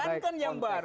jangan kan yang baru